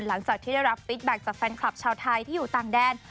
หลังจากที่ได้รับฟิตแบ็คจากแฟนคลับชาวไทยที่อยู่ต่างแดน